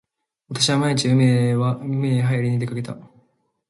私は毎日海へはいりに出掛けた。